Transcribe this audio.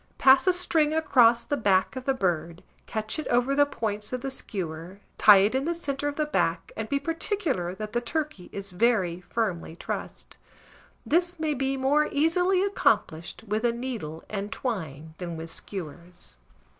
Pass a string across the back of the bird, catch it over the points of the skewer, tie it in the centre of the back, and be particular that the turkey is very firmly trussed. This may be more easily accomplished with a needle and twine than with skewers.